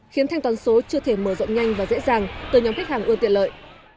khiến thanh toán số chưa thể mở rộng nhanh và dễ dàng từ nhóm khách hàng ưa tiện lợi